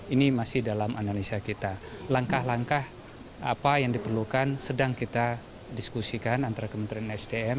ini masih dalam analisa kita langkah langkah apa yang diperlukan sedang kita diskusikan antara kementerian sdm